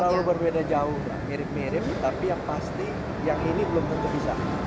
tidak terlalu berbeda jauh mirip mirip tapi yang pasti yang ini belum terbisa